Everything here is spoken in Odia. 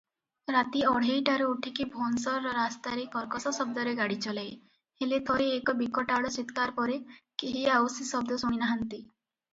ରାତି ଅଢ଼େଇଟାରୁ ଉଠିକି ଭୋନ୍ସରର ରାସ୍ତାରେ କର୍କଶ ଶବ୍ଦରେ ଗାଡ଼ି ଚଲାଏ, ହେଲେ ଥରେ ଏକ ବିକଟାଳ ଚିତ୍କାର ପରେ କେହି ଆଉ ସେ ଶବ୍ଦ ଶୁଣିନାହାଁନ୍ତି